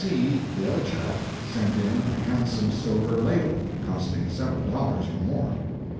C., the other chap, sent in a handsome silver ladle, costing several dollars or more.